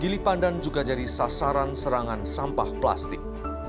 gili pandan juga jadi sasaran serangan sampah plastik